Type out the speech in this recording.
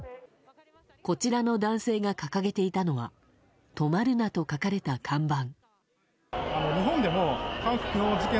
こちらの男性が掲げていたのは「止まるな」と書かれた看板。